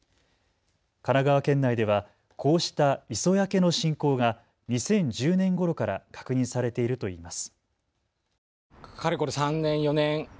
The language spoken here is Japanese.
神奈川県内ではこうした磯焼けの進行が２０１０年ごろから確認されているといいます。